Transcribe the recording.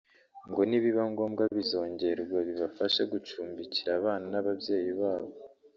ngo nibiba ngombwa bizongerwa bibashe gucumbikira abana n’ababyeyi babo